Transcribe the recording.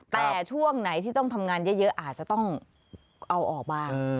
แต่ช่วงไหนที่ต้องทำงานเยอะอาจจะต้องเอาออกบ้าง